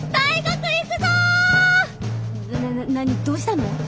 どうしたの？